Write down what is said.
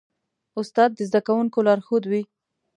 استاد د زدهکوونکو لارښود وي.